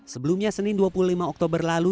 sebelumnya senin dua puluh lima oktober lalu